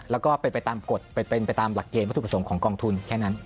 แล้วก็เป็นไปตามกฎเป็นไปตามหลักเกณฑ์วัตถุประสงค์ของกองทุนแค่นั้น